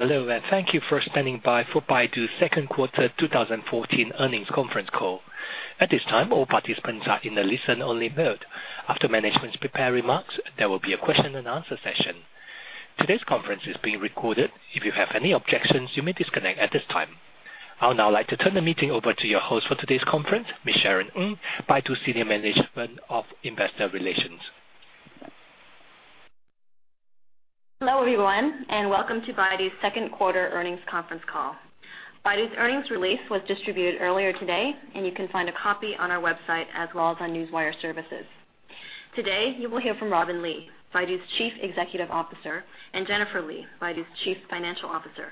Hello, thank you for standing by for Baidu's second quarter 2014 earnings conference call. At this time, all participants are in a listen-only mode. After management's prepared remarks, there will be a question and answer session. Today's conference is being recorded. If you have any objections, you may disconnect at this time. I would now like to turn the meeting over to your host for today's conference, Ms. Sharon Ng, Baidu Senior Manager of Investor Relations. Hello, everyone, welcome to Baidu's second quarter earnings conference call. Baidu's earnings release was distributed earlier today, and you can find a copy on our website as well as on newswire services. Today you will hear from Robin Li, Baidu's Chief Executive Officer, and Jennifer Li, Baidu's Chief Financial Officer.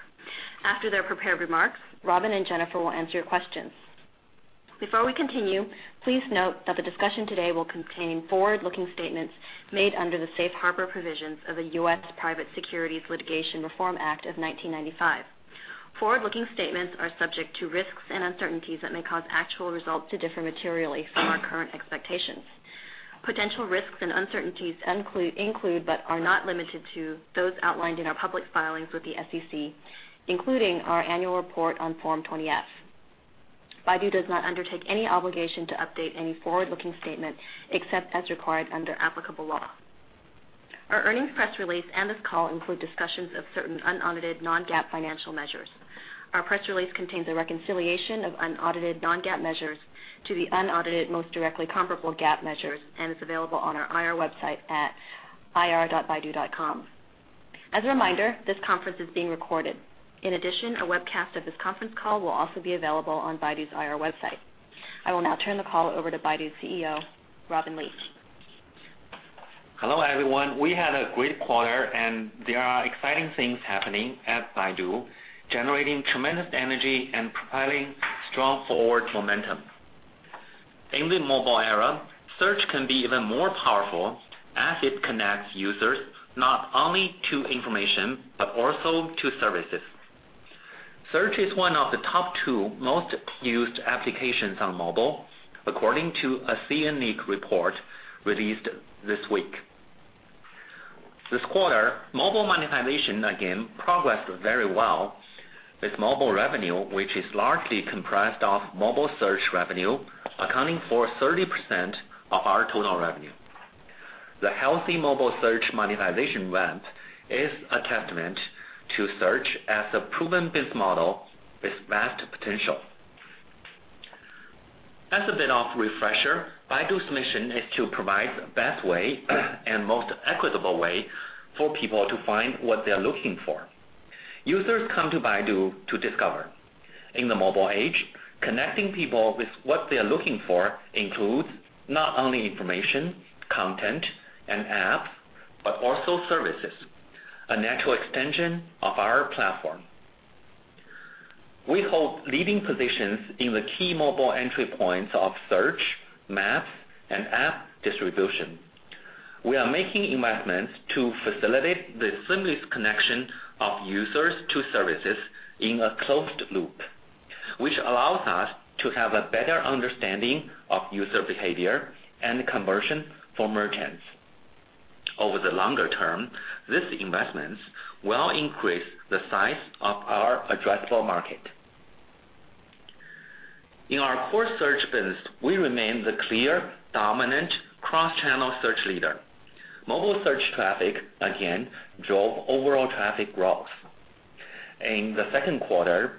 After their prepared remarks, Robin and Jennifer will answer your questions. Before we continue, please note that the discussion today will contain forward-looking statements made under the Safe Harbor provisions of the U.S. Private Securities Litigation Reform Act of 1995. Forward-looking statements are subject to risks and uncertainties that may cause actual results to differ materially from our current expectations. Potential risks and uncertainties include but are not limited to those outlined in our public filings with the SEC, including our annual report on Form 20-F. Baidu does not undertake any obligation to update any forward-looking statement, except as required under applicable law. Our earnings press release and this call include discussions of certain unaudited non-GAAP financial measures. Our press release contains a reconciliation of unaudited non-GAAP measures to the unaudited most directly comparable GAAP measures, and it's available on our IR website at ir.baidu.com. As a reminder, this conference is being recorded. In addition, a webcast of this conference call will also be available on Baidu's IR website. I will now turn the call over to Baidu's CEO, Robin Li. Hello, everyone. We had a great quarter, there are exciting things happening at Baidu, generating tremendous energy and propelling strong forward momentum. In the mobile era, search can be even more powerful as it connects users not only to information but also to services. Search is one of the top two most used applications on mobile, according to a CNNIC report released this week. This quarter, mobile monetization again progressed very well with mobile revenue, which is largely comprised of mobile search revenue, accounting for 30% of our total revenue. The healthy mobile search monetization grant is a testament to search as a proven biz model with vast potential. As a bit of refresher, Baidu's mission is to provide the best way and most equitable way for people to find what they're looking for. Users come to Baidu to discover. In the mobile age, connecting people with what they are looking for includes not only information, content, and apps, but also services, a natural extension of our platform. We hold leading positions in the key mobile entry points of search, maps, and app distribution. We are making investments to facilitate the seamless connection of users to services in a closed loop, which allows us to have a better understanding of user behavior and conversion for merchants. Over the longer term, these investments will increase the size of our addressable market. In our core search business, we remain the clear dominant cross-channel search leader. Mobile search traffic again drove overall traffic growth. In the second quarter,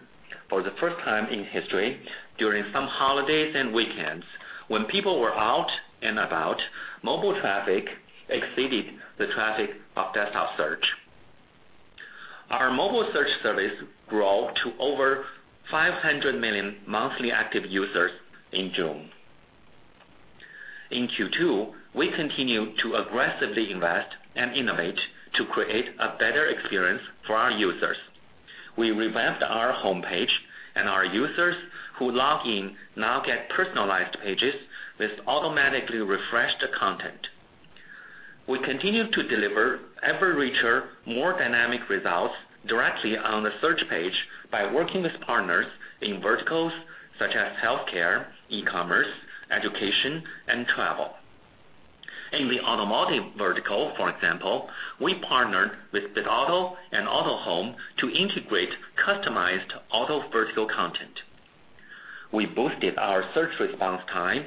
for the first time in history, during some holidays and weekends, when people were out and about, mobile traffic exceeded the traffic of desktop search. Our mobile search service grew to over 500 million monthly active users in June. In Q2, we continued to aggressively invest and innovate to create a better experience for our users. We revamped our homepage and our users who log in now get personalized pages with automatically refreshed content. We continue to deliver ever richer, more dynamic results directly on the search page by working with partners in verticals such as healthcare, e-commerce, education, and travel. In the automotive vertical, for example, we partnered with Bitauto and Autohome to integrate customized auto vertical content. We boosted our search response time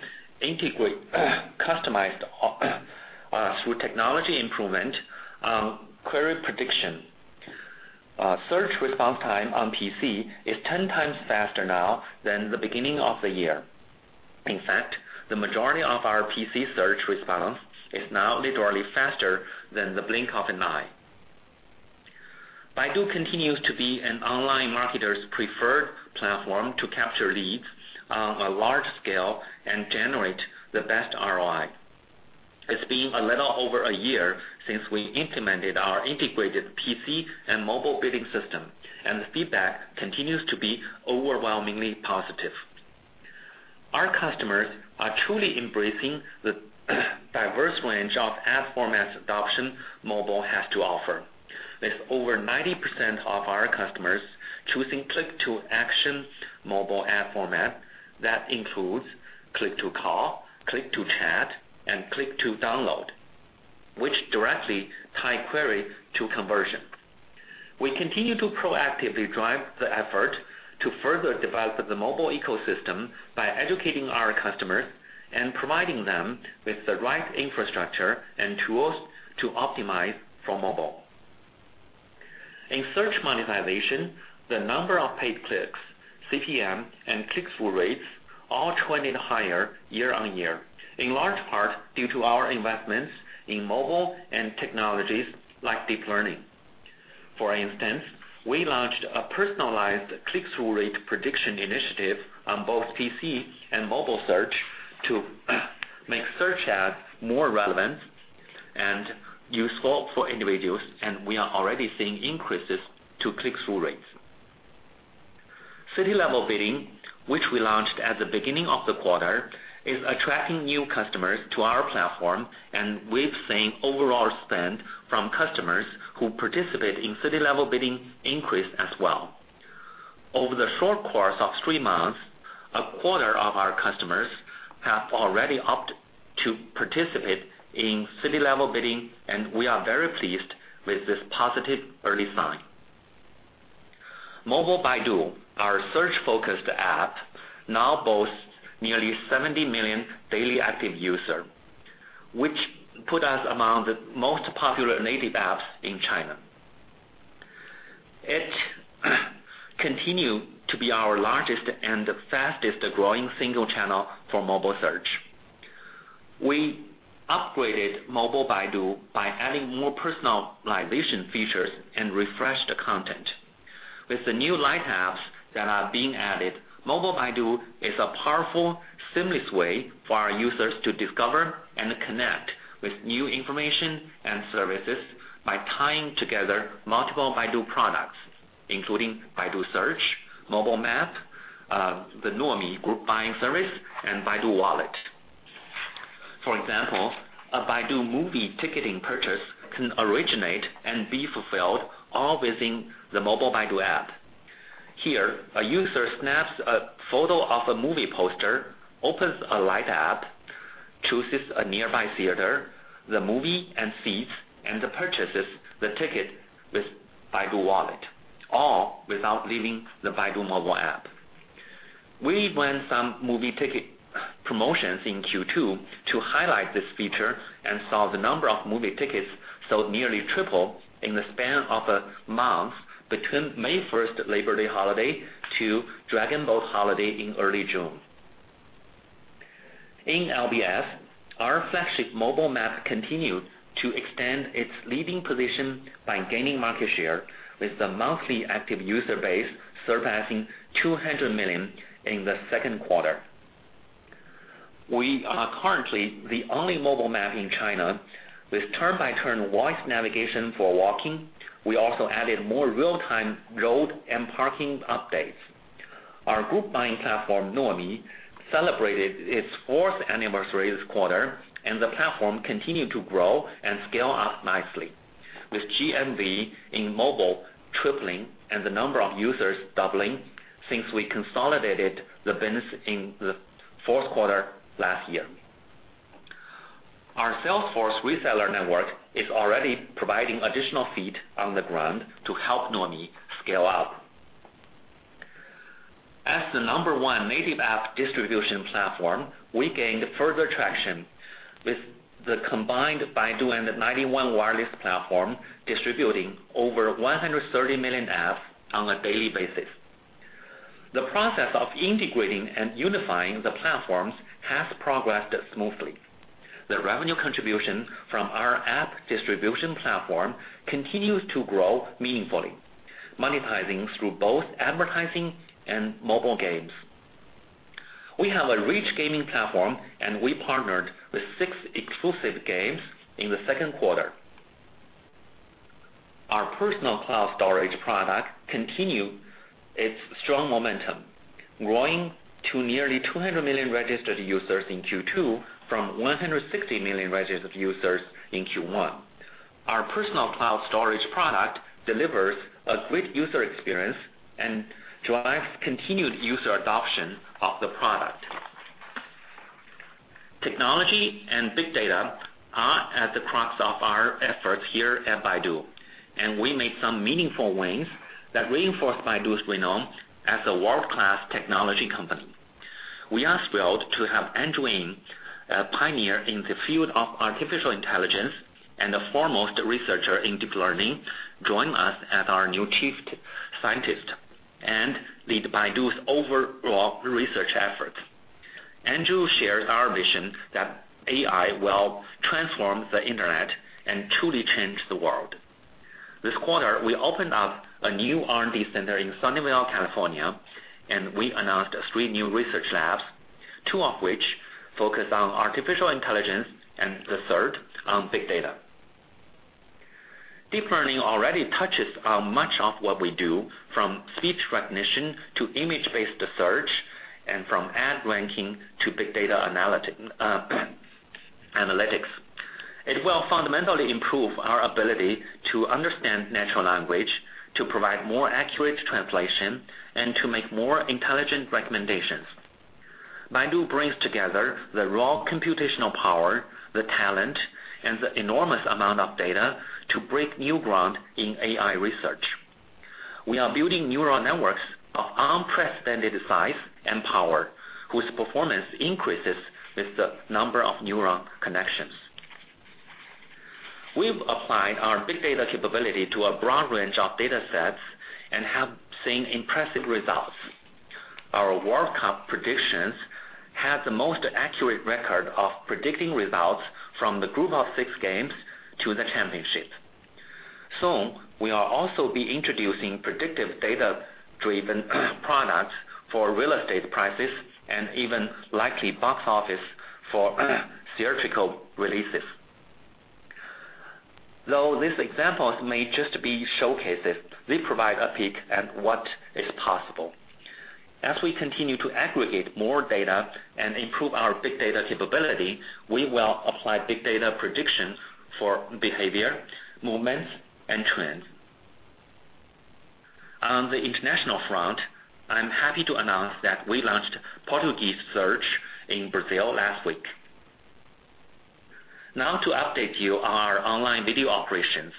through technology improvement, query prediction. Search response time on PC is 10 times faster now than the beginning of the year. In fact, the majority of our PC search response is now literally faster than the blink of an eye. Baidu continues to be an online marketer's preferred platform to capture leads on a large scale and generate the best ROI. It's been a little over a year since we implemented our integrated PC and mobile bidding system, and the feedback continues to be overwhelmingly positive. Our customers are truly embracing the diverse range of ad formats adoption mobile has to offer, with over 90% of our customers choosing click-to-action mobile ad format. That includes click to call, click to chat, and click to download, which directly tie query to conversion. We continue to proactively drive the effort to further develop the mobile ecosystem by educating our customers and providing them with the right infrastructure and tools to optimize for mobile. In search monetization, the number of paid clicks, CPM, and click-through rates all trended higher year-over-year, in large part due to our investments in mobile and technologies like deep learning. For instance, we launched a personalized click-through rate prediction initiative on both PC and mobile search to make search ads more relevant and useful for individuals, and we are already seeing increases to click-through rates. City-level bidding, which we launched at the beginning of the quarter, is attracting new customers to our platform, and we've seen overall spend from customers who participate in city-level bidding increase as well. Over the short course of three months, a quarter of our customers have already opted to participate in city-level bidding, and we are very pleased with this positive early sign. Mobile Baidu, our search-focused app, now boasts nearly 70 million daily active users, which put us among the most popular native apps in China. It continued to be our largest and fastest-growing single channel for mobile search. We upgraded Mobile Baidu by adding more personalization features and refreshed content. With the new light apps that are being added, Mobile Baidu is a powerful, seamless way for our users to discover and connect with new information and services by tying together multiple Baidu products, including Baidu Search, Mobile Map, the Nuomi group buying service, and Baidu Wallet. For example, a Baidu movie ticketing purchase can originate and be fulfilled all within the Mobile Baidu app. Here, a user snaps a photo of a movie poster, opens a light app, chooses a nearby theater, the movie, and seats, and purchases the ticket with Baidu Wallet, all without leaving the Baidu mobile app. We ran some movie ticket promotions in Q2 to highlight this feature and saw the number of movie tickets sold nearly triple in the span of a month between May 1st, Labor Day holiday, to Dragon Boat holiday in early June. In LBS, our flagship mobile map continued to extend its leading position by gaining market share, with the monthly active user base surpassing 200 million in the second quarter. We are currently the only mobile map in China with turn-by-turn voice navigation for walking. We also added more real-time road and parking updates. Our group buying platform, Nuomi, celebrated its fourth anniversary this quarter, and the platform continued to grow and scale up nicely, with GMV in mobile tripling and the number of users doubling since we consolidated the business in the fourth quarter last year. Our Salesforce reseller network is already providing additional feet on the ground to help Nuomi scale up. As the number one native app distribution platform, we gained further traction with the combined Baidu and 91 Wireless platform distributing over 130 million apps on a daily basis. The process of integrating and unifying the platforms has progressed smoothly. The revenue contribution from our app distribution platform continues to grow meaningfully, monetizing through both advertising and mobile games. We have a rich gaming platform, and we partnered with six exclusive games in the second quarter. Our personal cloud storage product continued its strong momentum, growing to nearly 200 million registered users in Q2 from 160 million registered users in Q1. Our personal cloud storage product delivers a great user experience and drives continued user adoption of the product. Technology and big data are at the crux of our efforts here at Baidu, and we made some meaningful wins that reinforce Baidu's renown as a world-class technology company. We are thrilled to have Andrew Ng, a pioneer in the field of artificial intelligence and the foremost researcher in deep learning, join us as our new Chief Scientist and lead Baidu's overall research efforts. Andrew shares our vision that AI will transform the internet and truly change the world. This quarter, we opened up a new R&D center in Sunnyvale, California, and we announced three new research labs, two of which focus on artificial intelligence and the third on big data. Deep learning already touches on much of what we do, from speech recognition to image-based search, and from ad ranking to big data analytics. It will fundamentally improve our ability to understand natural language, to provide more accurate translation, and to make more intelligent recommendations. Baidu brings together the raw computational power, the talent, and the enormous amount of data to break new ground in AI research. We are building neural networks of unprecedented size and power, whose performance increases with the number of neuron connections. We've applied our big data capability to a broad range of data sets and have seen impressive results. Our World Cup predictions had the most accurate record of predicting results from the group of six games to the championship. Soon, we will also be introducing predictive data-driven products for real estate prices and even likely box office for theatrical releases. Though these examples may just be showcases, they provide a peek at what is possible. We continue to aggregate more data and improve our big data capability, we will apply big data predictions for behavior, movements, and trends. On the international front, I'm happy to announce that we launched Portuguese search in Brazil last week. To update you on our online video operations.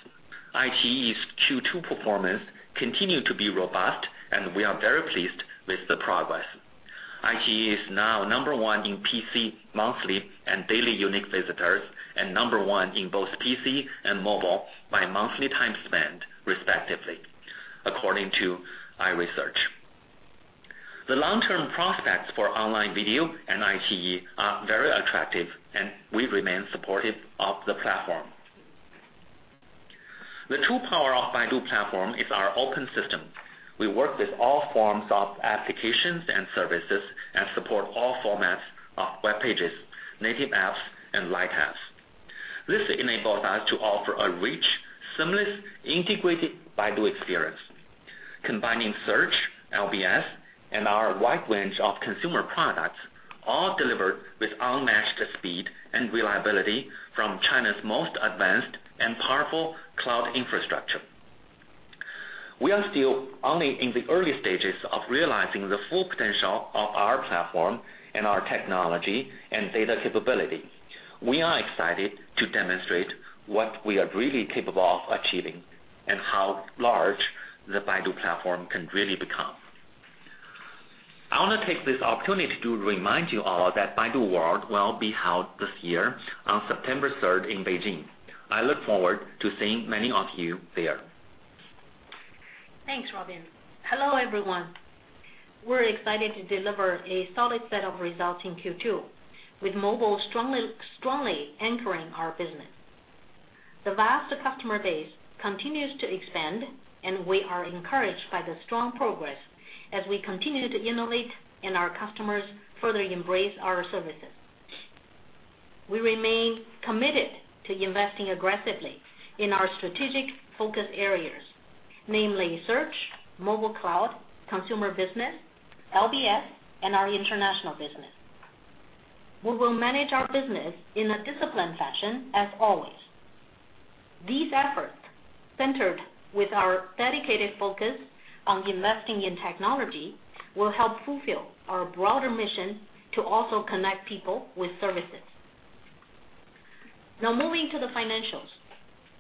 iQIYI's Q2 performance continued to be robust, and we are very pleased with the progress. iQIYI is now number one in PC monthly and daily unique visitors and number one in both PC and mobile by monthly time spend respectively, according to our research. The long-term prospects for online video and iQIYI are very attractive, and we remain supportive of the platform. The true power of Baidu platform is our open system. We work with all forms of applications and services and support all formats of webpages, native apps, and light apps. This enables us to offer a rich, seamless, integrated Baidu experience, combining search, LBS, and our wide range of consumer products, all delivered with unmatched speed and reliability from China's most advanced and powerful cloud infrastructure. We are still only in the early stages of realizing the full potential of our platform and our technology and data capability. We are excited to demonstrate what we are really capable of achieving and how large the Baidu platform can really become. I want to take this opportunity to remind you all that Baidu World will be held this year on September 3rd in Beijing. I look forward to seeing many of you there. Thanks, Robin. Hello, everyone. We're excited to deliver a solid set of results in Q2, with mobile strongly anchoring our business. The vast customer base continues to expand, and we are encouraged by the strong progress as we continue to innovate and our customers further embrace our services. We remain committed to investing aggressively in our strategic focus areas, namely search, mobile cloud, consumer business, LBS, and our international business. We will manage our business in a disciplined fashion as always. These efforts, centered with our dedicated focus on investing in technology, will help fulfill our broader mission to also connect people with services. Moving to the financials.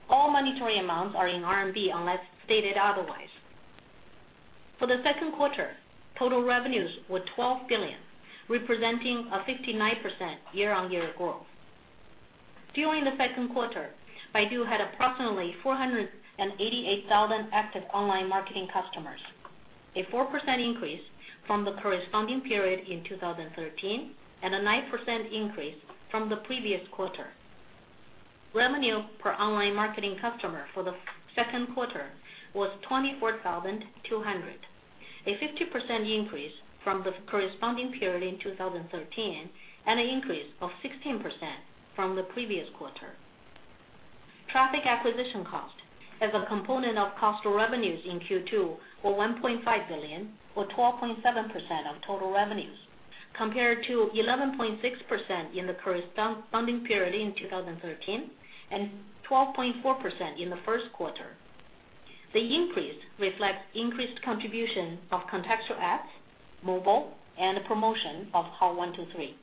All monetary amounts are in RMB unless stated otherwise. For the second quarter, total revenues were 12 billion, representing a 59% year-on-year growth. During the second quarter, Baidu had approximately 488,000 active online marketing customers, a 4% increase from the corresponding period in 2013 and a 9% increase from the previous quarter. Revenue per online marketing customer for the second quarter was 24,200, a 50% increase from the corresponding period in 2013 and an increase of 16% from the previous quarter. Traffic acquisition cost as a component of cost of revenues in Q2 were 1.5 billion, or 12.7% of total revenues, compared to 11.6% in the corresponding period in 2013 and 12.4% in the first quarter. The increase reflects increased contribution of contextual ads, mobile, and promotion of Hao123.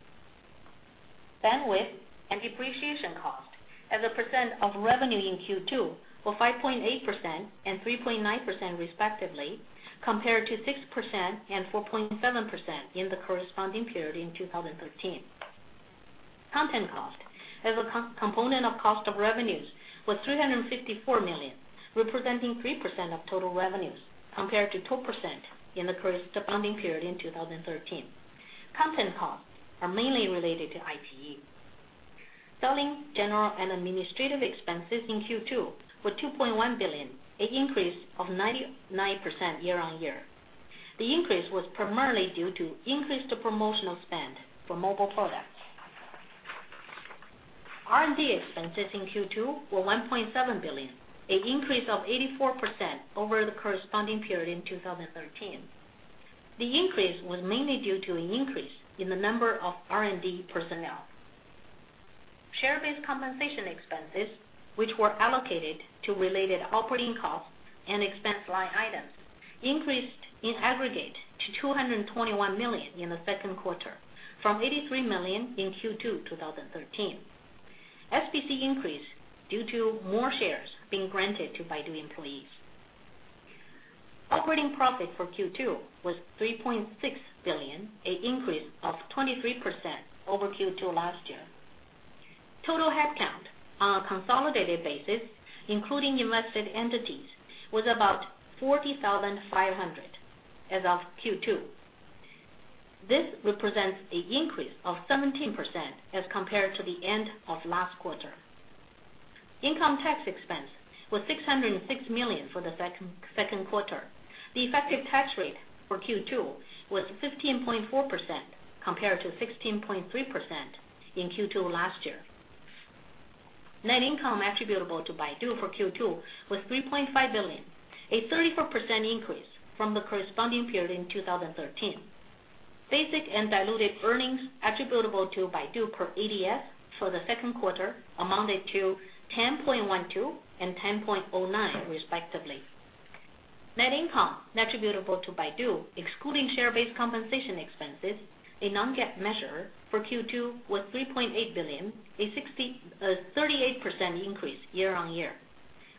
Bandwidth and depreciation cost as a percent of revenue in Q2 were 5.8% and 3.9% respectively, compared to 6% and 4.7% in the corresponding period in 2013. Content cost as a component of cost of revenues was 354 million, representing 3% of total revenues, compared to 2% in the corresponding period in 2013. Content costs are mainly related to iQIYI. Selling, general, and administrative expenses in Q2 were RMB 2.1 billion, an increase of 99% year-on-year. The increase was primarily due to increased promotional spend for mobile products. R&D expenses in Q2 were 1.7 billion, an increase of 84% over the corresponding period in 2013. The increase was mainly due to an increase in the number of R&D personnel. Share-based compensation expenses, which were allocated to related operating costs and expense line items, increased in aggregate to 221 million in the second quarter from 83 million in Q2 2013. SBC increase due to more shares being granted to Baidu employees. Operating profit for Q2 was 3.6 billion, an increase of 23% over Q2 last year. Total headcount on a consolidated basis, including invested entities, was about 40,500 as of Q2. This represents an increase of 17% as compared to the end of last quarter. Income tax expense was 606 million for the second quarter. The effective tax rate for Q2 was 15.4% compared to 16.3% in Q2 last year. Net income attributable to Baidu for Q2 was 3.5 billion, a 34% increase from the corresponding period in 2013. Basic and diluted earnings attributable to Baidu per ADS for the second quarter amounted to $10.12 and $10.09 respectively. Net income attributable to Baidu, excluding share-based compensation expenses, a non-GAAP measure for Q2, was 3.8 billion, a 38% increase year on year.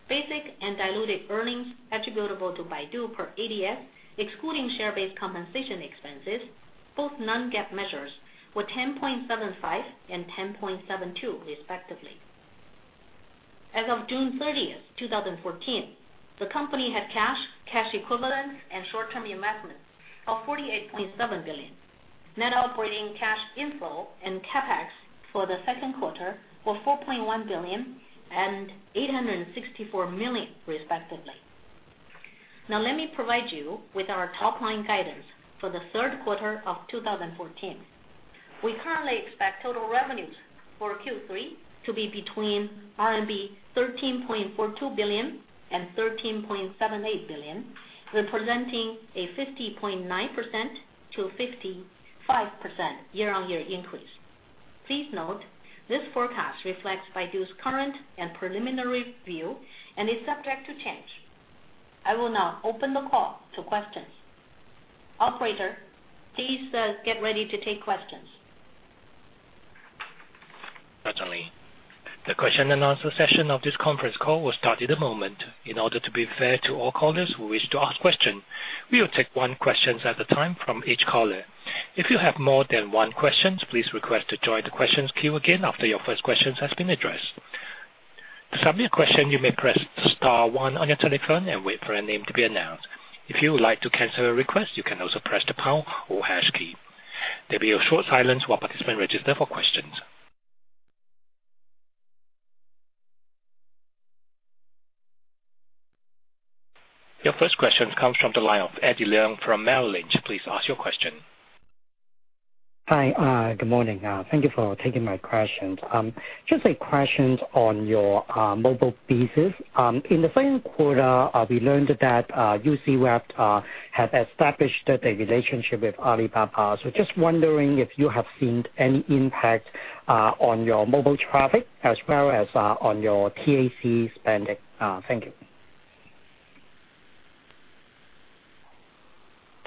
Basic and diluted earnings attributable to Baidu per ADS, excluding share-based compensation expenses, both non-GAAP measures, were $10.75 and $10.72 respectively. As of June 30th, 2014, the company had cash equivalents, and short-term investments of 48.7 billion. Net operating cash inflow and CapEx for the second quarter were 4.1 billion and 864 million respectively. Now let me provide you with our top-line guidance for the third quarter of 2014. We currently expect total revenues for Q3 to be between RMB 13.42 billion and 13.78 billion, representing a 50.9% to 55% year on year increase. Please note this forecast reflects Baidu's current and preliminary view and is subject to change. I will now open the call to questions. Operator, please get ready to take questions. Certainly. The question and answer session of this conference call will start in a moment. In order to be fair to all callers who wish to ask questions, we will take one question at a time from each caller. If you have more than one question, please request to join the questions queue again after your first question has been addressed. To submit a question, you may press star one on your telephone and wait for your name to be announced. If you would like to cancel a request, you can also press the pound or hash key. There will be a short silence while participants register for questions. Your first question comes from the line of Eddie Leung from Merrill Lynch. Please ask your question. Hi. Good morning. Thank you for taking my question. Just a question on your mobile pieces. In the second quarter, we learned that UCWeb has established a relationship with Alibaba. Just wondering if you have seen any impact on your mobile traffic as well as on your TAC spending. Thank you.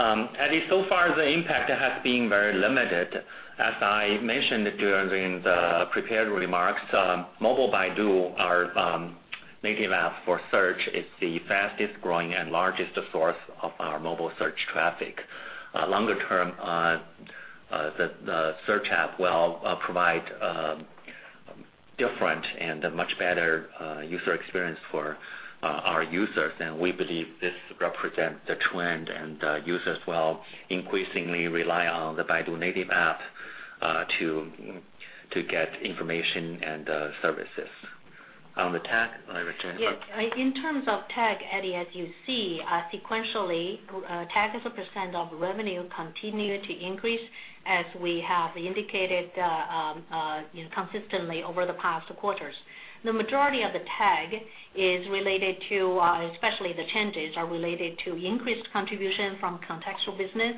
Eddie, so far, the impact has been very limited. As I mentioned during the prepared remarks, Mobile Baidu, our native app for search, is the fastest-growing and largest source of our mobile search traffic. Longer term, the search app will provide a different and much better user experience for our users. We believe this represents the trend, and users will increasingly rely on the Baidu native app to get information and services. On the TAC, Iris? Yes. In terms of TAC, Eddie, as you see sequentially, TAC as a % of revenue continued to increase as we have indicated consistently over the past quarters. The majority of the TAC, especially the changes, are related to increased contribution from contextual business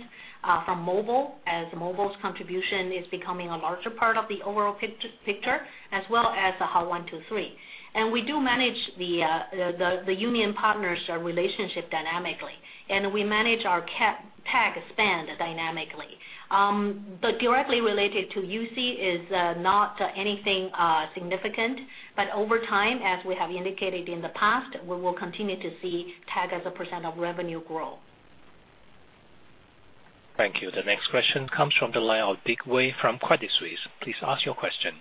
from mobile, as mobile's contribution is becoming a larger part of the overall picture, as well as the Hao123. We do manage the union partners relationship dynamically, and we manage our TAC spend dynamically. Directly related to UC is not anything significant. Over time, as we have indicated in the past, we will continue to see TAC as a % of revenue grow. Thank you. The next question comes from the line of Dick Wei from Credit Suisse. Please ask your question.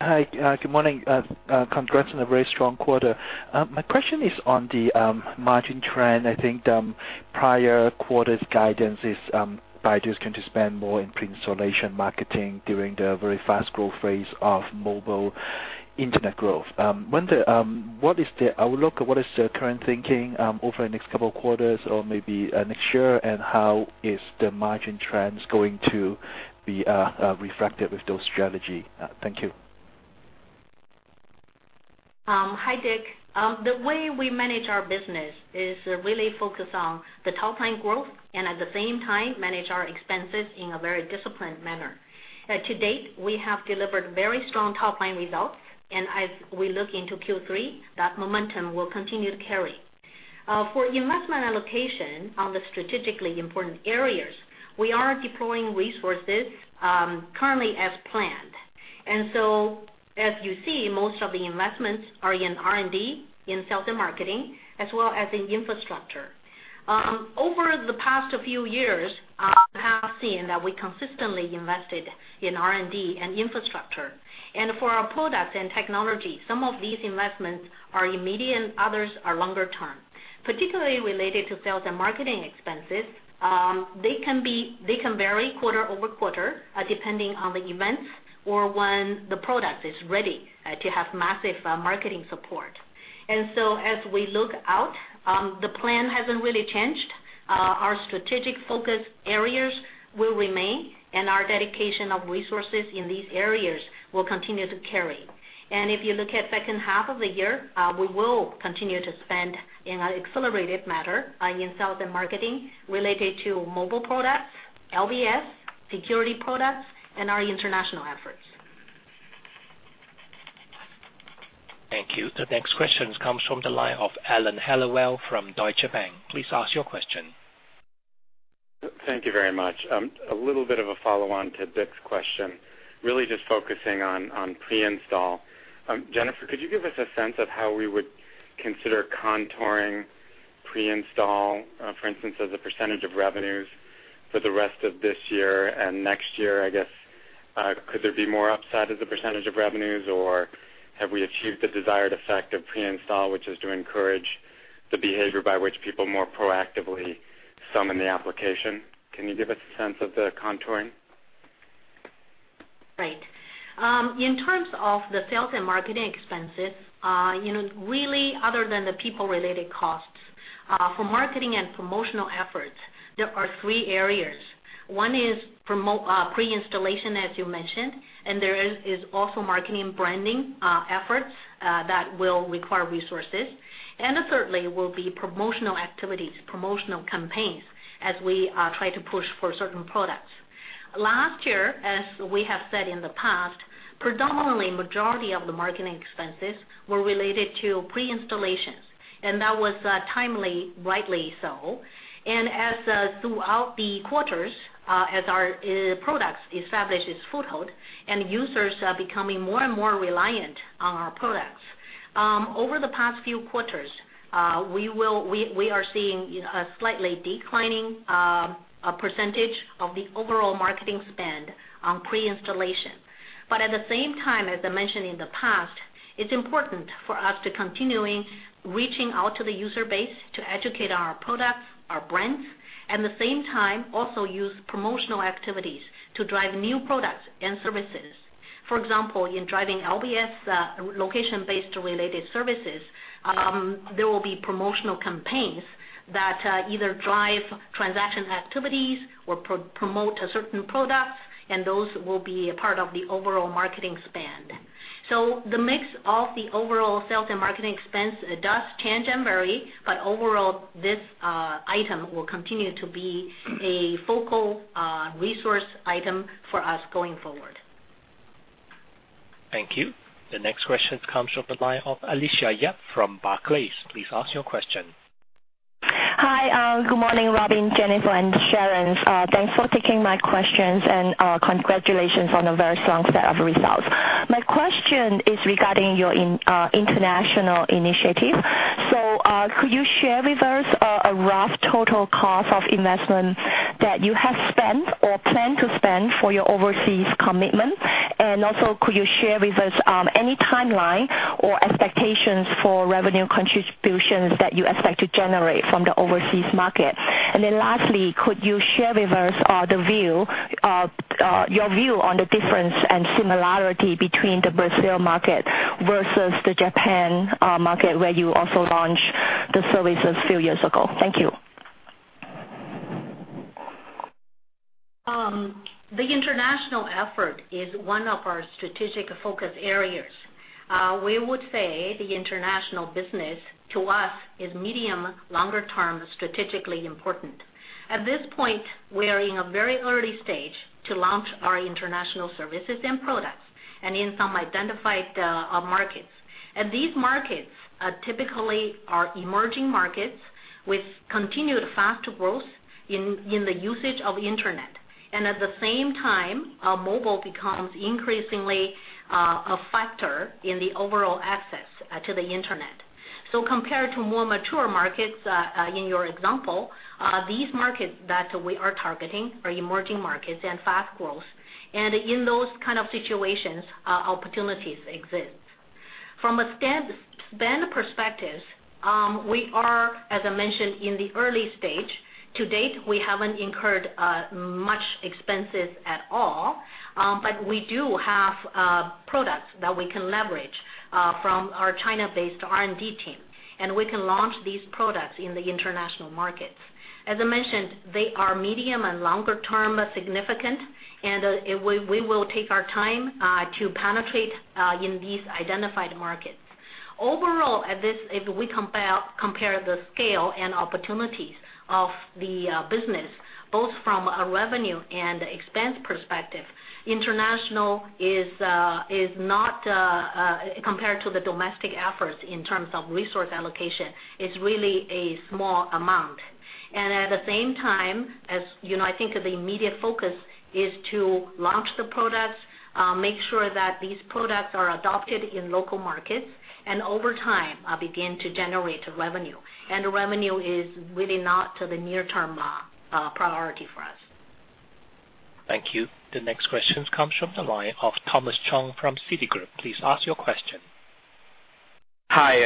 Hi, good morning. Congrats on a very strong quarter. My question is on the margin trend. I think prior quarters guidance is Baidu's going to spend more in installation marketing during the very fast growth phase of mobile internet growth. I wonder, what is the outlook or what is the current thinking over the next couple of quarters or maybe next year, and how is the margin trends going to be reflected with those strategy? Thank you. Hi, Dick. The way we manage our business is really focused on the top-line growth and at the same time manage our expenses in a very disciplined manner. To date, we have delivered very strong top-line results, and as we look into Q3, that momentum will continue to carry. For investment allocation on the strategically important areas, we are deploying resources currently as planned. As you see, most of the investments are in R&D, in sales and marketing, as well as in infrastructure. Over the past few years, you have seen that we consistently invested in R&D and infrastructure. For our products and technology, some of these investments are immediate, others are longer-term. Particularly related to sales and marketing expenses, they can vary quarter-over-quarter, depending on the events or when the product is ready to have massive marketing support. As we look out, the plan hasn't really changed. Our strategic focus areas will remain, and our dedication of resources in these areas will continue to carry. If you look at second half of the year, we will continue to spend in an accelerated manner in sales and marketing related to mobile products, LBS, security products, and our international efforts. Thank you. The next question comes from the line of Alan Hellawell from Deutsche Bank. Please ask your question. Thank you very much. A little bit of a follow-on to Dick's question, really just focusing on pre-install. Jennifer, could you give us a sense of how we would consider contouring pre-install, for instance, as a percentage of revenues for the rest of this year and next year, I guess? Could there be more upside as a percentage of revenues, or have we achieved the desired effect of pre-install, which is to encourage the behavior by which people more proactively summon the application? Can you give us a sense of the contouring? Right. In terms of the sales and marketing expenses, really other than the people-related costs, for marketing and promotional efforts, there are three areas. One is pre-installation, as you mentioned, there is also marketing and branding efforts that will require resources. Thirdly will be promotional activities, promotional campaigns as we try to push for certain products. Last year, as we have said in the past, predominantly, majority of the marketing expenses were related to pre-installations, and that was timely, rightly so. As throughout the quarters, as our products establish its foothold and users are becoming more and more reliant on our products. Over the past few quarters, we are seeing a slightly declining percentage of the overall marketing spend on pre-installation. At the same time, as I mentioned in the past, it's important for us to continuing reaching out to the user base to educate our products, our brands. At the same time, also use promotional activities to drive new products and services. For example, in driving LBS, location-based related services, there will be promotional campaigns that either drive transaction activities or promote certain products, and those will be a part of the overall marketing spend. The mix of the overall sales and marketing expense does change and vary, but overall, this item will continue to be a focal resource item for us going forward. Thank you. The next question comes from the line of Alicia Yap from Barclays. Please ask your question. Hi. Good morning, Robin, Jennifer, and Sharon. Thanks for taking my questions, congratulations on a very strong set of results. My question is regarding your international initiative. Could you share with us a rough total cost of investment that you have spent or plan to spend for your overseas commitment? Also, could you share with us any timeline or expectations for revenue contributions that you expect to generate from the overseas market? Lastly, could you share with us your view on the difference and similarity between the Brazil market versus the Japan market, where you also launched the services a few years ago? Thank you. The international effort is one of our strategic focus areas. We would say the international business to us is medium, longer term, strategically important. At this point, we are in a very early stage to launch our international services and products and in some identified markets. These markets typically are emerging markets with continued fast growth in the usage of internet. At the same time, mobile becomes increasingly a factor in the overall access to the internet. Compared to more mature markets in your example, these markets that we are targeting are emerging markets and fast growth. In those kind of situations, opportunities exist. From a spend perspective, we are, as I mentioned, in the early stage. To date, we haven't incurred much expenses at all. We do have products that we can leverage from our China-based R&D team, and we can launch these products in the international markets. As I mentioned, they are medium and longer term significant, and we will take our time to penetrate in these identified markets. Overall, if we compare the scale and opportunities of the business, both from a revenue and expense perspective, international is not compared to the domestic efforts in terms of resource allocation. It's really a small amount. At the same time, I think the immediate focus is to launch the products, make sure that these products are adopted in local markets, and over time, begin to generate revenue. Revenue is really not the near-term priority for us. Thank you. The next question comes from the line of Thomas Chong from Citigroup. Please ask your question. Hi.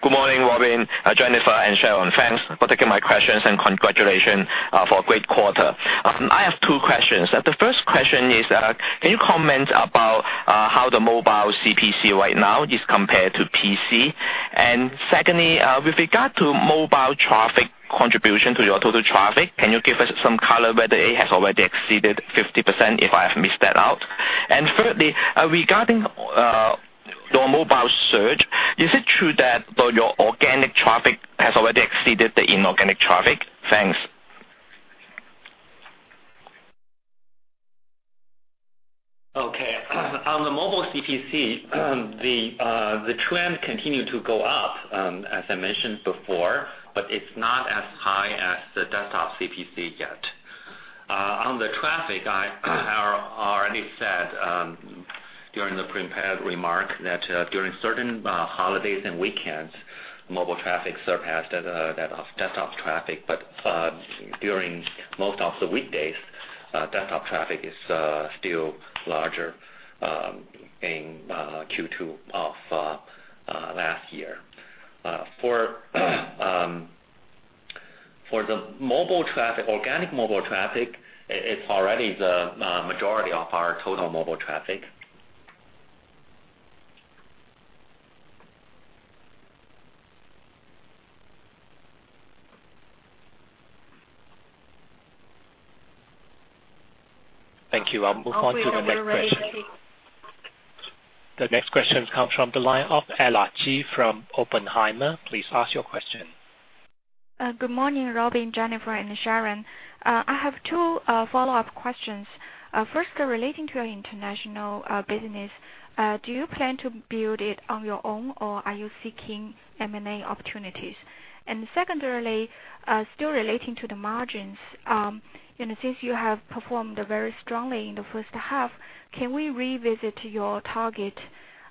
Good morning, Robin, Jennifer, and Sharon. Thanks for taking my questions, and congratulations for a great quarter. I have two questions. The first question is, can you comment about how the mobile CPC right now is compared to PC? Secondly, with regard to mobile traffic contribution to your total traffic, can you give us some color whether it has already exceeded 50%, if I have missed that out? Thirdly, regarding your mobile search, is it true that your organic traffic has already exceeded the inorganic traffic? Thanks. Okay. On the mobile CPC, the trend continued to go up, as I mentioned before, but it's not as high as the desktop CPC yet. On the traffic, I already said during the prepared remark that during certain holidays and weekends, mobile traffic surpassed that of desktop traffic. During most of the weekdays, desktop traffic is still larger in Q2 of last year. For the organic mobile traffic, it's already the majority of our total mobile traffic. Thank you. I'll move on to the next question. The next question comes from the line of Ella Ji from Oppenheimer. Please ask your question. Good morning, Robin, Jennifer, and Sharon. I have two follow-up questions. First, relating to your international business, do you plan to build it on your own, or are you seeking M&A opportunities? Secondly, still relating to the margins, since you have performed very strongly in the first half, can we revisit your target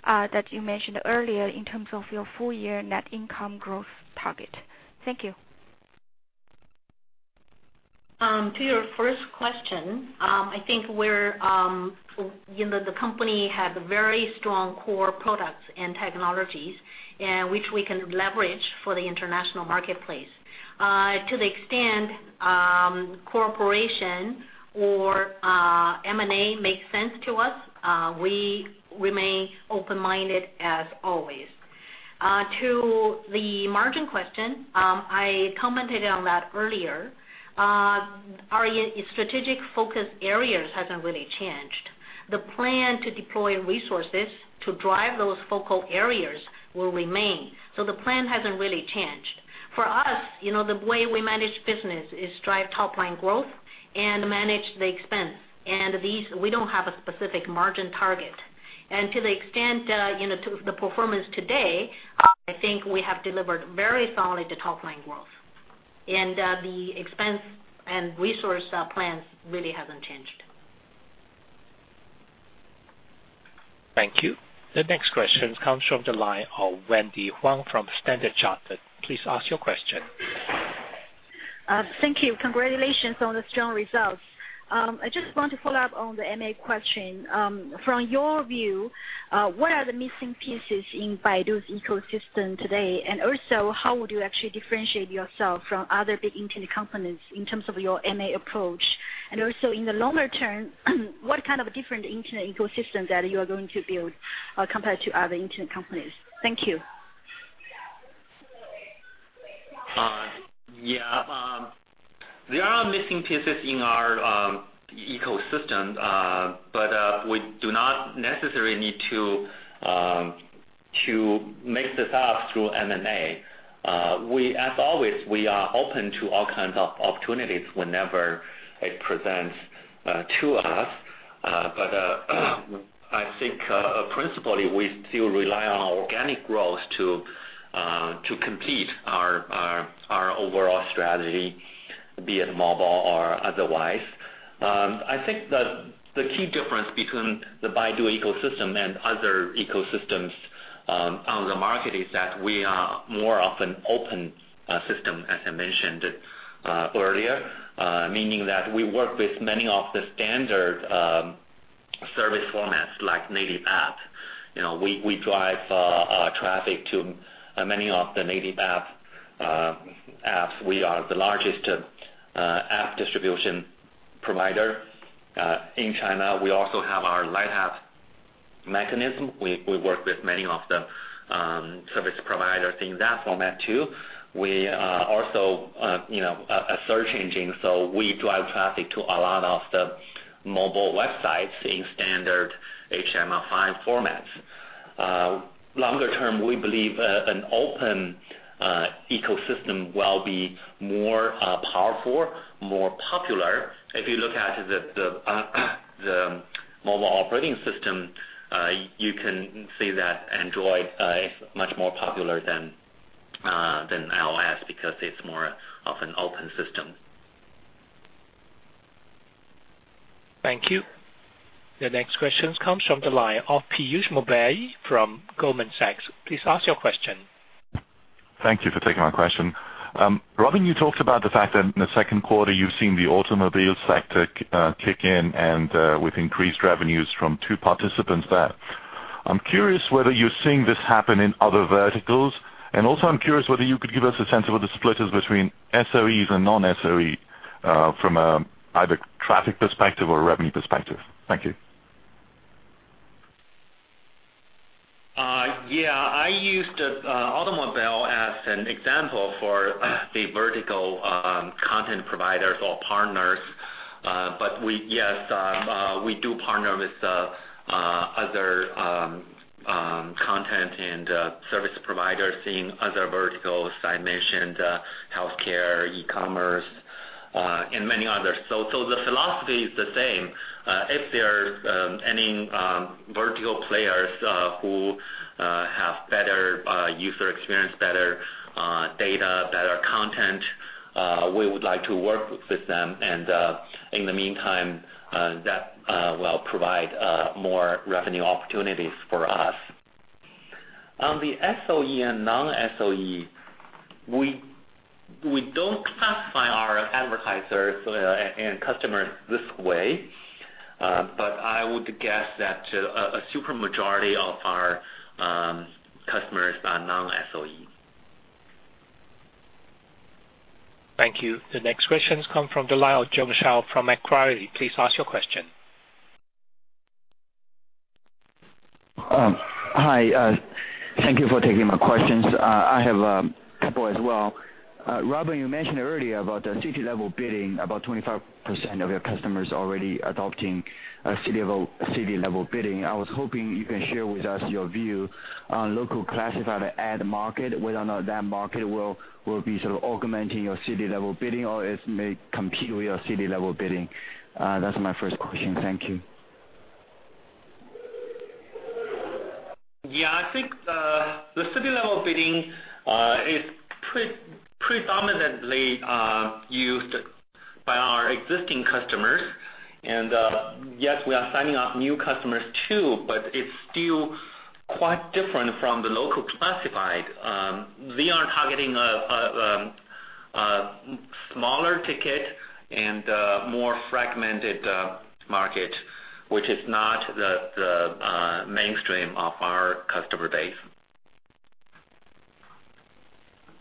that you mentioned earlier in terms of your full-year net income growth target? Thank you. To your first question, I think the company has very strong core products and technologies, which we can leverage for the international marketplace. To the extent cooperation or M&A makes sense to us, we remain open-minded as always. To the margin question, I commented on that earlier. Our strategic focus areas hasn't really changed. The plan to deploy resources to drive those focal areas will remain, so the plan hasn't really changed. For us, the way we manage business is drive top-line growth and manage the expense. We don't have a specific margin target. To the extent to the performance today, I think we have delivered very solid top-line growth. The expense and resource plans really haven't changed. Thank you. The next question comes from the line of Wendy Huang from Standard Chartered. Please ask your question. Thank you. Congratulations on the strong results. I just want to follow up on the M&A question. From your view, what are the missing pieces in Baidu's ecosystem today? Also, how would you actually differentiate yourself from other big internet companies in terms of your M&A approach? Also, in the longer-term, what kind of different internet ecosystem that you are going to build compared to other internet companies? Thank you. Yeah. There are missing pieces in our ecosystem, we do not necessarily need to make this up through M&A. As always, we are open to all kinds of opportunities whenever it presents to us. I think principally, we still rely on our organic growth to complete our overall strategy, be it mobile or otherwise. I think that the key difference between the Baidu ecosystem and other ecosystems are The market is that we are more of an open system, as I mentioned earlier, meaning that we work with many of the standard service formats like Native App. We drive traffic to many of the Native Apps. We are the largest app distribution provider in China. We also have our light app mechanism. We work with many of the service providers in that format, too. We are also a search engine, we drive traffic to a lot of the mobile websites in standard HTML5 formats. Longer term, we believe an open ecosystem will be more powerful, more popular. If you look at the mobile operating system, you can see that Android is much more popular than iOS because it's more of an open system. Thank you. The next question comes from the line of Piyush Mubayi from Goldman Sachs. Please ask your question. Thank you for taking my question. Robin, you talked about the fact that in the second quarter, you've seen the automobile sector kick in and with increased revenues from two participants there. I'm curious whether you're seeing this happen in other verticals, and also, I'm curious whether you could give us a sense of what the split is between SOEs and non-SOE, from either traffic perspective or revenue perspective. Thank you. Yeah, I used automobile as an example for the vertical content providers or partners. Yes, we do partner with other content and service providers in other verticals. I mentioned healthcare, e-commerce, and many others. The philosophy is the same. If there's any vertical players who have better user experience, better data, better content, we would like to work with them, and in the meantime, that will provide more revenue opportunities for us. On the SOE and non-SOE, we don't classify our advertisers and customers this way, but I would guess that a super majority of our customers are non-SOE. Thank you. The next questions come from the line of Jiong Shao from Macquarie. Please ask your question. Hi. Thank you for taking my questions. I have a couple as well. Robin, you mentioned earlier about the city-level bidding, about 25% of your customers already adopting city-level bidding. I was hoping you can share with us your view on local classified ad market, whether or not that market will be sort of augmenting your city-level bidding, or it may compete with your city-level bidding. That's my first question. Thank you. Yeah, I think the city-level bidding is predominantly used by our existing customers. Yes, we are signing up new customers too, but it's still quite different from the local classified. We are targeting a smaller ticket and more fragmented market, which is not the mainstream of our customer base.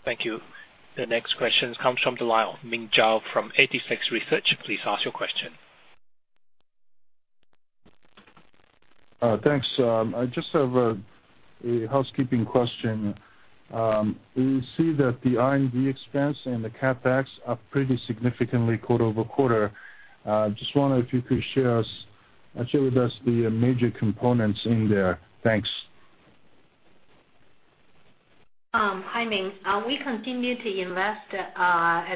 Thank you. The next question comes from the line of Ming Zhao from 86Research. Please ask your question. Thanks. I just have a housekeeping question. We see that the R&D expense and the CapEx are pretty significantly quarter-over-quarter. Just wonder if you could share with us the major components in there. Thanks. Hi, Ming. We continue to invest, as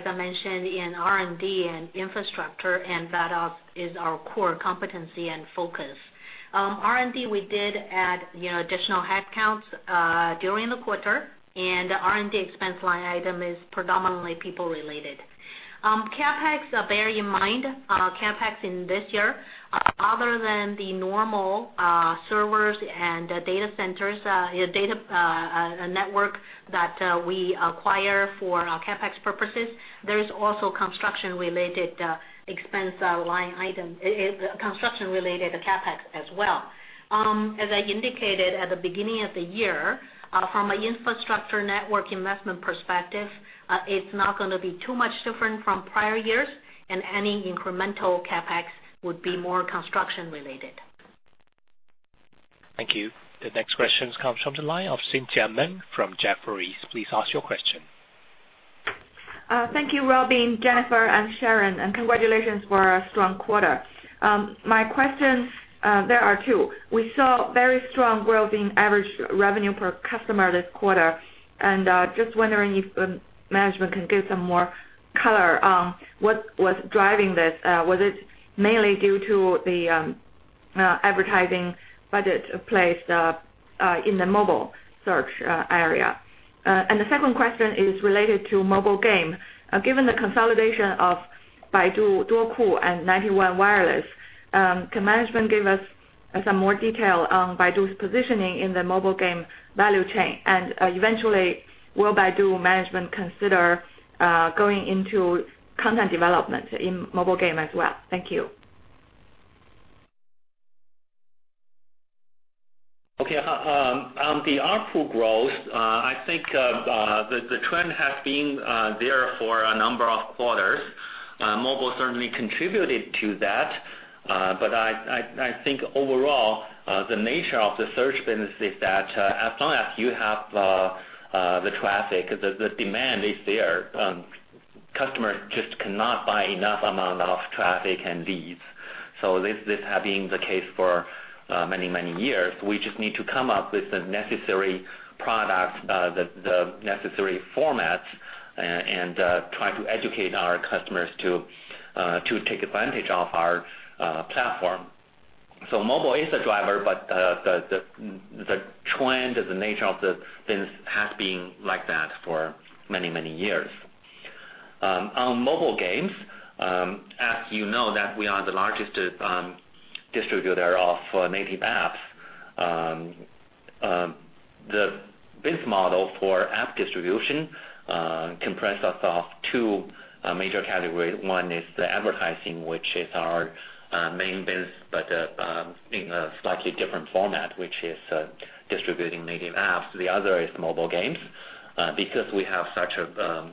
I mentioned, in R&D and infrastructure, and that is our core competency and focus. R&D, we did add additional headcounts during the quarter, and R&D expense line item is predominantly people related. CapEx, bear in mind, CapEx in this year, other than the normal servers and data centers, data network that we acquire for CapEx purposes, there is also construction related CapEx as well. As I indicated at the beginning of the year, from an infrastructure network investment perspective, it's not going to be too much different from prior years, and any incremental CapEx would be more construction related. Thank you. The next questions comes from the line of Cynthia Meng from Jefferies. Please ask your question. Thank you, Robin, Jennifer, and Sharon, and congratulations for a strong quarter. My questions, there are two. We saw very strong growth in average revenue per customer this quarter, just wondering if management can give some more color on what was driving this. Was it mainly due to the advertising budget placed in the mobile search area? The second question is related to mobile game. Given the consolidation of Baidu, Duoku, and 91 Wireless, can management give us some more detail on Baidu's positioning in the mobile game value chain, eventually, will Baidu management consider going into content development in mobile game as well? Thank you. Okay. On the ARPU growth, I think the trend has been there for a number of quarters. Mobile certainly contributed to that. I think overall, the nature of the search business is that as long as you have the traffic, the demand is there. Customers just cannot buy enough amount of traffic and leads. This has been the case for many, many years. We just need to come up with the necessary products, the necessary formats, and try to educate our customers to take advantage of our platform. Mobile is a driver, but the trend of the nature of the business has been like that for many, many years. On mobile games, as you know that we are the largest distributor of native apps. The biz model for app distribution comprises of two major categories. One is the advertising, which is our main business, but in a slightly different format, which is distributing native apps. The other is mobile games. Because we have such a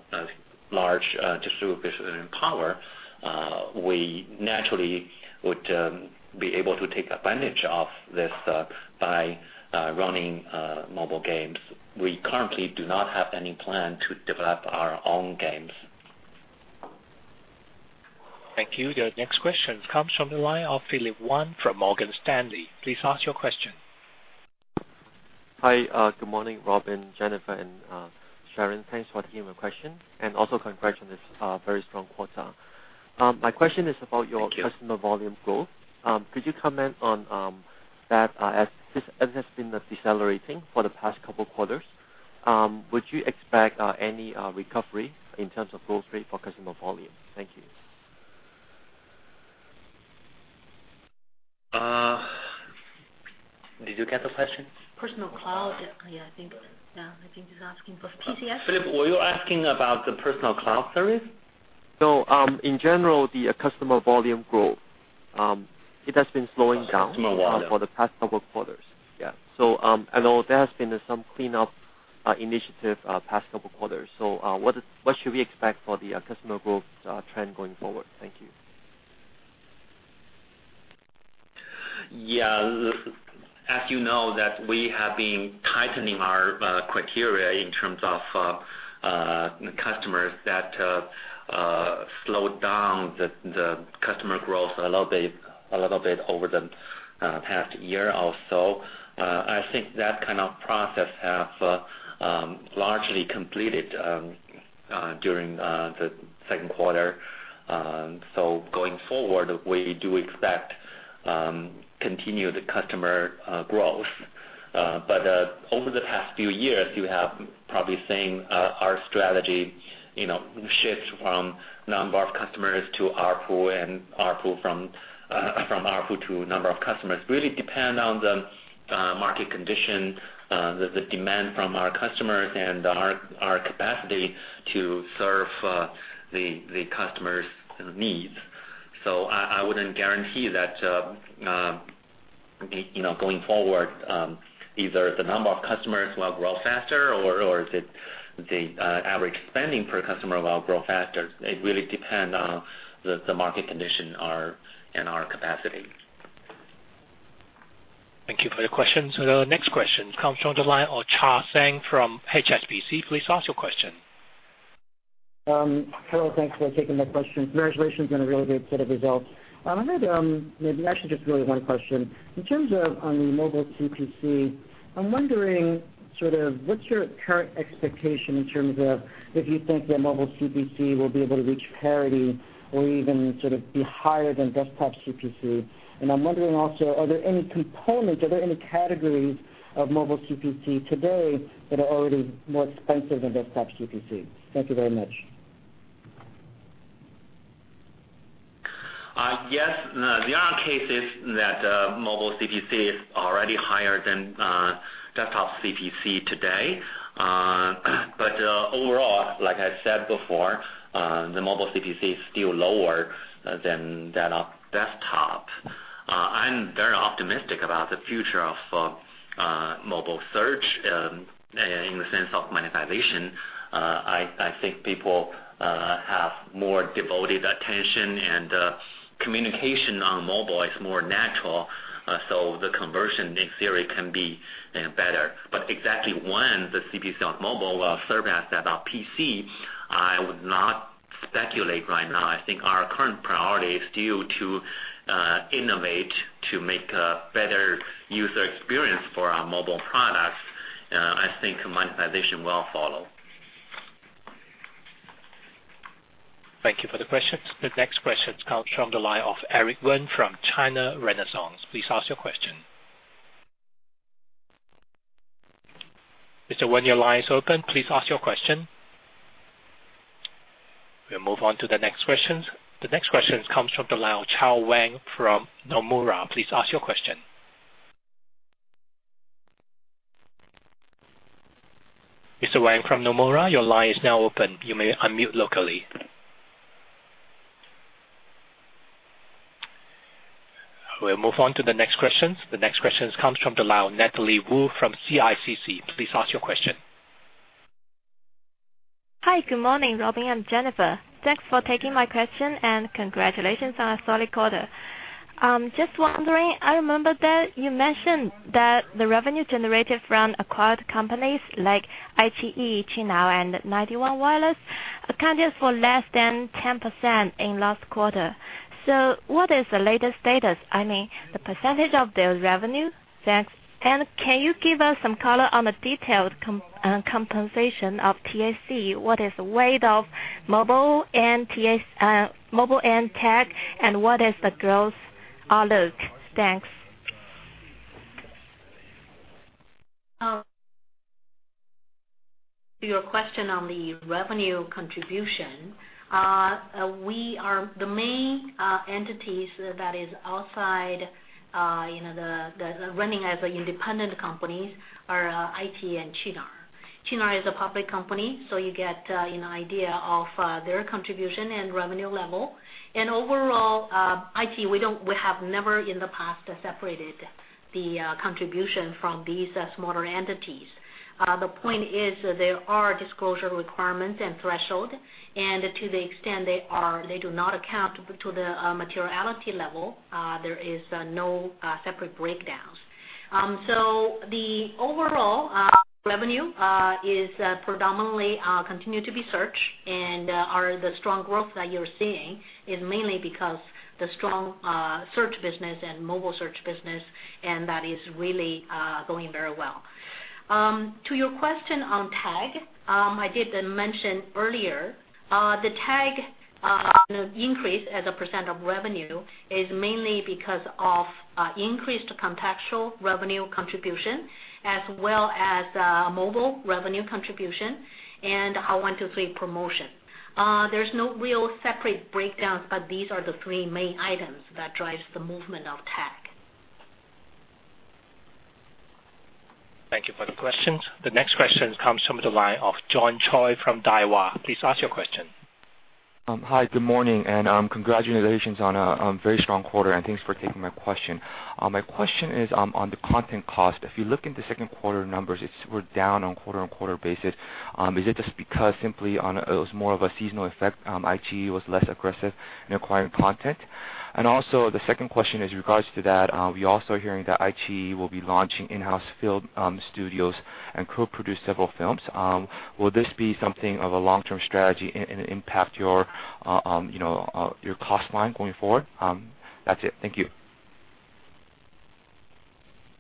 large distribution power, we naturally would be able to take advantage of this by running mobile games. We currently do not have any plan to develop our own games. Thank you. The next question comes from the line of Philip Wan from Morgan Stanley. Please ask your question. Hi. Good morning, Robin, Jennifer and Sharon. Thanks for taking my question, and also congratulations on this very strong quarter. My question is about your- Thank you. -customer volume growth. Could you comment on that, as it has been decelerating for the past couple quarters? Would you expect any recovery in terms of growth rate for customer volume? Thank you. Did you get the question? Personal cloud. Yeah, I think he's asking for PCS. Philip, were you asking about the personal cloud service? No, in general, the customer volume growth. It has been slowing down for the past couple quarters. Yeah. I know there has been some cleanup initiative past couple quarters. What should we expect for the customer growth trend going forward? Thank you. Yeah. As you know that we have been tightening our criteria in terms of customers that slowed down the customer growth a little bit over the past year or so. I think that kind of process have largely completed during the second quarter. Going forward, we do expect continued customer growth. Over the past few years, you have probably seen our strategy shift from number of customers to ARPU and from ARPU to number of customers. It really depend on the market condition, the demand from our customers, and our capacity to serve the customers' needs. I wouldn't guarantee that, going forward, either the number of customers will grow faster, or the average spending per customer will grow faster. It really depend on the market condition and our capacity. Thank you for the question. The next question comes from the line of Chi Tsang from HSBC. Please ask your question. Hello, thanks for taking my question. Congratulations on a really good set of results. I had maybe actually just really one question. In terms of on the mobile CPC, I'm wondering sort of what's your current expectation in terms of if you think that mobile CPC will be able to reach parity or even sort of be higher than desktop CPC? I'm wondering also, are there any components, are there any categories of mobile CPC today that are already more expensive than desktop CPC? Thank you very much. Yes. There are cases that mobile CPC is already higher than desktop CPC today. Overall, like I said before, the mobile CPC is still lower than that of desktop. I'm very optimistic about the future of mobile search in the sense of monetization. I think people have more devoted attention, and communication on mobile is more natural, so the conversion, in theory, can be better. Exactly when the CPC on mobile will surpass that of PC, I would not speculate right now. I think our current priority is still to innovate, to make a better user experience for our mobile products. I think monetization will follow. Thank you for the question. The next question comes from the line of Eric Wen from China Renaissance. Please ask your question. Mr. Wen, your line is open. Please ask your question. We'll move on to the next questions. The next questions comes from the line of Chao Wang from Nomura. Please ask your question. Mr. Wang from Nomura, your line is now open. You may unmute locally. We'll move on to the next questions. The next questions comes from the line of Natalie Wu from CICC. Please ask your question. Hi. Good morning, Robin and Jennifer. Thanks for taking my question. Congratulations on a solid quarter. Just wondering, I remember that you mentioned that the revenue generated from acquired companies like iQIYI, Qunar and 91 Wireless, accounted for less than 10% in last quarter. What is the latest status? I mean, the percentage of their revenue. Thanks. Can you give us some color on the detailed compensation of TAC? What is the weight of mobile and TAC, and what is the growth outlook? Thanks. To your question on the revenue contribution, the main entities that is outside, running as independent companies are iQIYI and Qunar. Qunar is a public company, so you get an idea of their contribution and revenue level. Overall, iQIYI, we have never in the past separated the contribution from these smaller entities. The point is, there are disclosure requirements and threshold. To the extent they do not account to the materiality level, there is no separate breakdowns. The overall revenue is predominantly continue to be search, and the strong growth that you're seeing is mainly because the strong search business and mobile search business, and that is really going very well. To your question on TAC, I did mention earlier, the TAC increase as a percent of revenue is mainly because of increased contextual revenue contribution, as well as mobile revenue contribution and Hao123 promotion. There's no real separate breakdowns, but these are the three main items that drives the movement of TAC. Thank you for the questions. The next questions comes from the line of John Choi from Daiwa. Please ask your question. Hi, good morning, and congratulations on a very strong quarter, and thanks for taking my question. My question is on the content cost. If you look in the second quarter numbers, it is sort of down on quarter-on-quarter basis. Is it just because simply it was more of a seasonal effect, iQIYI was less aggressive in acquiring content? The second question is regards to that, we also are hearing that iQIYI will be launching in-house film studios and could produce several films. Will this be something of a long-term strategy and impact your cost line going forward? That is it. Thank you.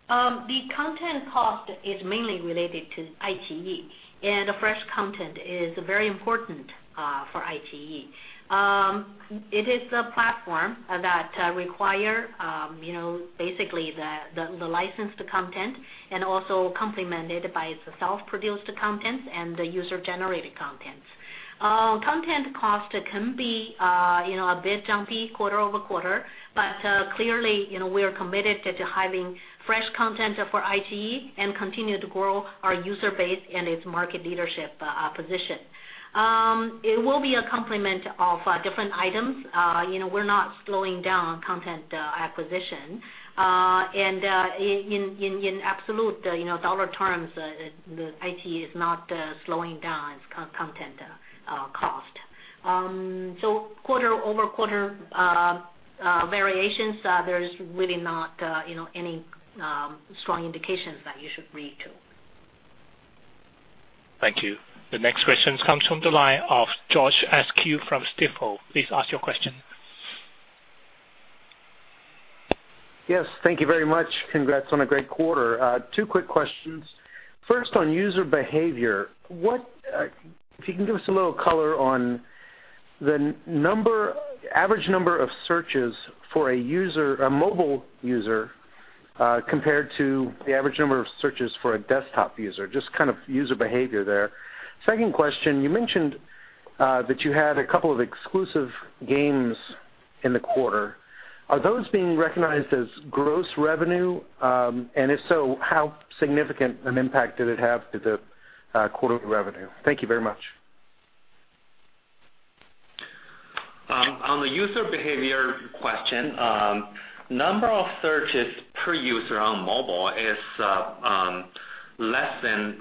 The content cost is mainly related to iQIYI, and fresh content is very important for iQIYI. It is a platform that require basically the licensed content and also complemented by its self-produced contents and the user-generated contents. Content cost can be a bit jumpy quarter-over-quarter, but clearly, we are committed to having fresh content for iQIYI and continue to grow our user base and its market leadership position. It will be a complement of different items. We are not slowing down on content acquisition. In absolute dollar terms, iQIYI is not slowing down its content cost. Quarter-over-quarter variations, there is really not any strong indications that you should read to. Thank you. The next question comes from the line of George Askew from Stifel. Please ask your question. Yes, thank you very much. Congrats on a great quarter. Two quick questions. First, on user behavior, if you can give us a little color on the average number of searches for a mobile user compared to the average number of searches for a desktop user, just kind of user behavior there. Second question, you mentioned that you had a couple of exclusive games in the quarter. Are those being recognized as gross revenue? If so, how significant an impact did it have to the quarterly revenue? Thank you very much. On the user behavior question, number of searches per user on mobile is less than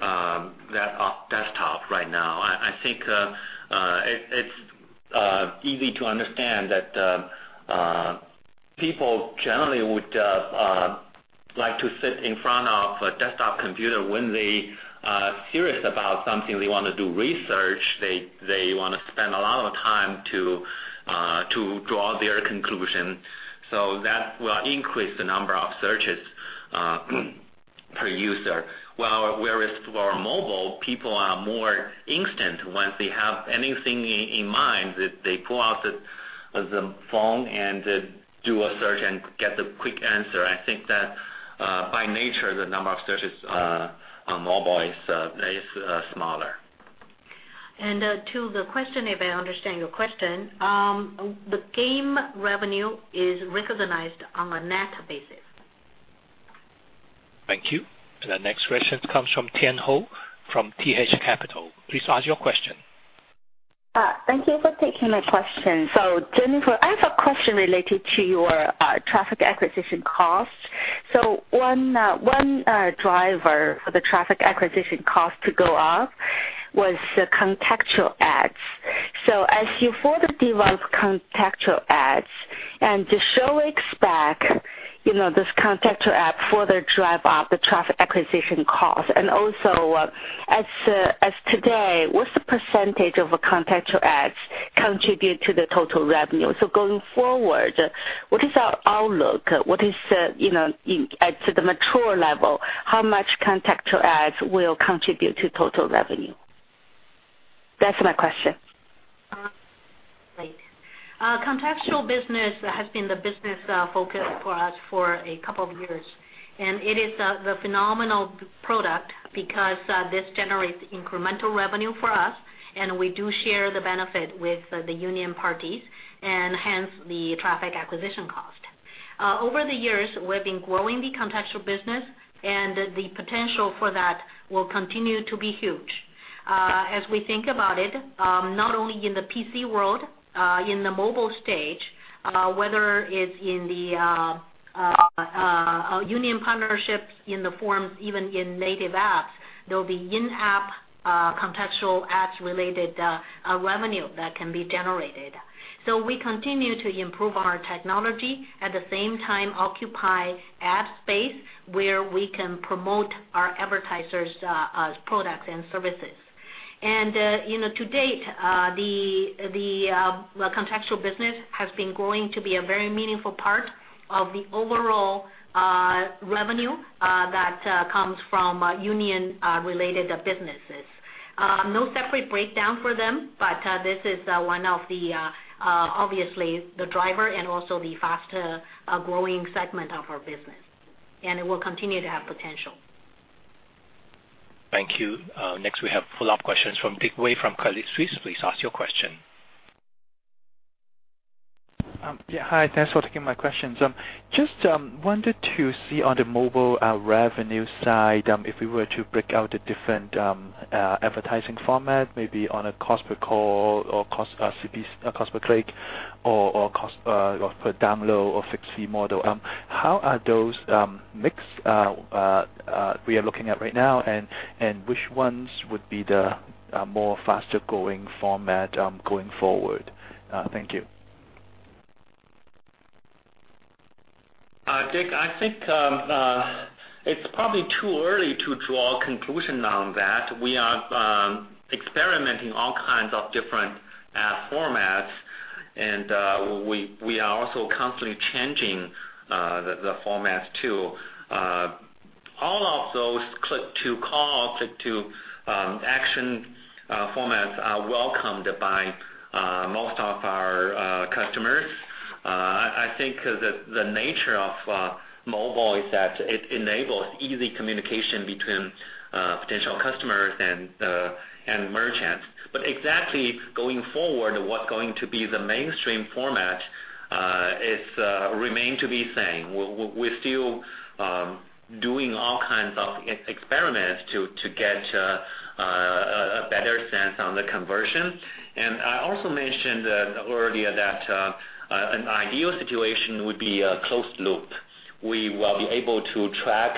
desktop right now. I think it's easy to understand that people generally would like to sit in front of a desktop computer when they serious about something, they want to do research, they want to spend a lot of time to draw their conclusion. That will increase the number of searches per user. Whereas for mobile, people are more instant. Once they have anything in mind, they pull out the phone and do a search and get the quick answer. I think that by nature, the number of searches on mobile is smaller. To the question, if I understand your question, the game revenue is recognized on a net basis. Thank you. The next question comes from Tian Hou from TH Capital. Please ask your question. Thank you for taking my question. Jennifer, I have a question related to your traffic acquisition costs. One driver for the traffic acquisition cost to go up was the contextual ads. As you further develop contextual ads, and should expect this contextual ad further drive up the traffic acquisition costs. Also as today, what's the percentage of contextual ads contribute to the total revenue? Going forward, what is our outlook? What is, at the mature level, how much contextual ads will contribute to total revenue? That's my question. Great. Contextual business has been the business focus for us for a couple of years. It is the phenomenal product because this generates incremental revenue for us, and we do share the benefit with the union parties, and hence the traffic acquisition cost. Over the years, we've been growing the contextual business. The potential for that will continue to be huge. As we think about it, not only in the PC world, in the mobile stage, whether it is in the union partnerships, in the forums, even in native apps, there will be in-app, contextual ads related revenue that can be generated. We continue to improve our technology, at the same time occupy ad space where we can promote our advertisers' products and services. To date, the contextual business has been going to be a very meaningful part of the overall revenue that comes from union related businesses. No separate breakdown for them. This is one of the, obviously, the driver and also the faster growing segment of our business. It will continue to have potential. Thank you. Next, we have follow-up questions from Dick Wei from Credit Suisse. Please ask your question. Hi, thanks for taking my questions. Just wanted to see on the mobile revenue side, if we were to break out the different advertising format, maybe on a cost per call or cost per click or cost per download or fix fee model. How are those mix we are looking at right now? Which ones would be the more faster-growing format going forward? Thank you. Dick, I think it's probably too early to draw a conclusion on that. We are experimenting all kinds of different ad formats, and we are also constantly changing the formats too. All of those click-to-call, click-to-action formats are welcomed by most of our customers. I think the nature of mobile is that it enables easy communication between potential customers and merchants. Exactly going forward, what's going to be the mainstream format, it remain to be seen. We're still doing all kinds of experiments to get a better sense on the conversion. I also mentioned earlier that an ideal situation would be a closed loop. We will be able to track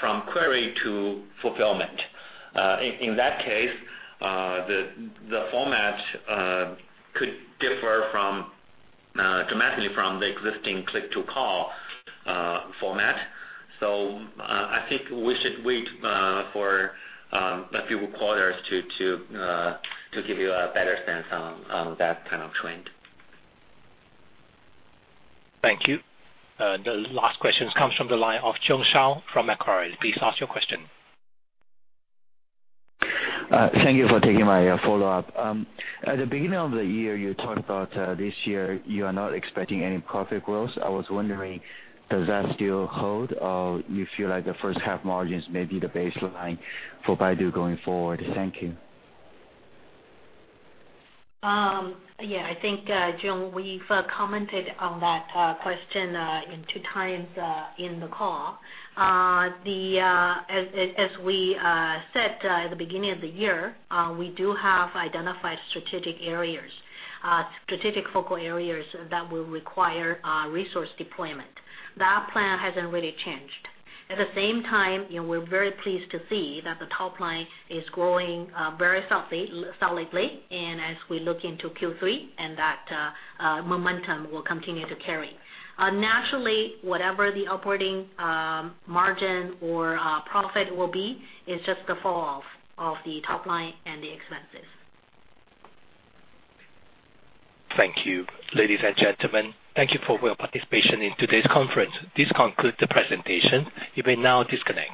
from query to fulfillment. In that case, the format could differ dramatically from the existing click-to-call format. I think we should wait for a few quarters to give you a better sense on that kind of trend. Thank you. The last questions comes from the line of Jiong Shao from Macquarie. Please ask your question. Thank you for taking my follow-up. At the beginning of the year, you talked about this year, you are not expecting any profit growth. I was wondering, does that still hold or you feel like the first half margins may be the baseline for Baidu going forward? Thank you. I think, Jiong, we've commented on that question in two times in the call. As we said at the beginning of the year, we do have identified strategic focal areas that will require resource deployment. That plan hasn't really changed. At the same time, we're very pleased to see that the top line is growing very solidly. As we look into Q3, and that momentum will continue to carry. Naturally, whatever the operating margin or profit will be, it's just the fall off of the top line and the expenses. Thank you. Ladies and gentlemen, thank you for your participation in today's conference. This concludes the presentation. You may now disconnect.